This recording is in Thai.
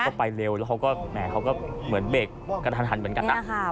เขาก็ไปเร็วแล้วแหมเขาก็เหมือนเบรกกระทันเหมือนกระทัน